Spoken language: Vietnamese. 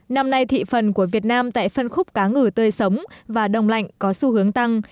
năm nay thị phần của việt nam tại phân khúc cá ngừ tươi sống và đồng lạnh có xu hướng tăng